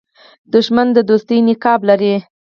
دښمن د دوستۍ نقاب لري